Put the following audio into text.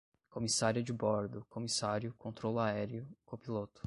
comissária de bordo, comissário, controlo aéreo, copiloto